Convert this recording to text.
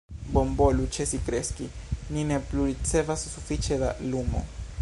"Bonvolu ĉesi kreski, ni ne plu ricevas sufiĉe da lumo."